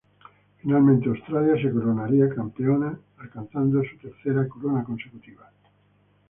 Finalmente Australia se coronaría campeón, alcanzando su tercera corona consecutiva.